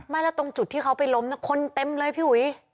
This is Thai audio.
ไม่แล้วตรงจุดที่เขาไปล้มนะคนเต็มเลยพี่หวี